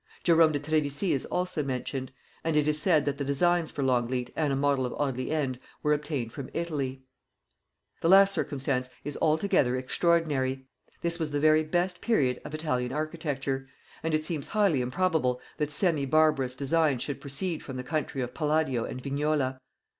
Jerome de Trevisi is also mentioned; and it is said that the designs for Longleat and a model of Audley End were obtained from Italy. The last circumstance is altogether extraordinary; this was the very best period of Italian architecture, and it seems highly improbable that semi barbarous designs should proceed from the country of Palladio and Vignola.